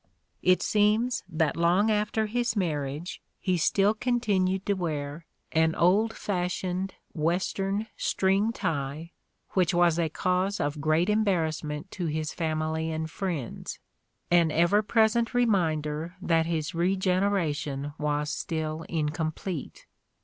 It seems that long after his marriage he still continued to wear 120 The Ordeal of Mark Twain an old fashioned "Western string tie which was a cause of great embarrassment to his family and his friends, an ever present reminder that his regeneration was still incomplete.